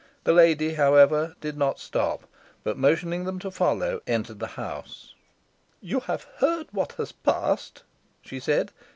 The lady, however, did not stop, but motioning them to follow, entered the house. "You have heard what has passed," she said.